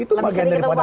itu bagian daripada